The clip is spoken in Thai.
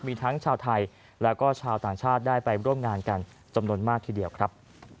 มีทั้งชาวไทยแล้วก็ชาวต่างชาติได้ไปร่วมงานกันจำนวนมากทีเดียวครับ